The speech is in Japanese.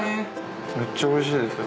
めっちゃおいしいですよ。